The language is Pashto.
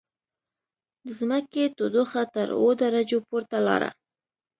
د ځمکې تودوخه تر اووه درجو پورته لاړه.